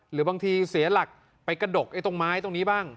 หรือบางทีเสียหลักไปกระดกตรงไม้ตรงนี้บ้าง